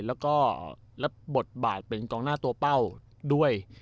และบทบาทเป็นกองหน้าตัวเป้าด้วย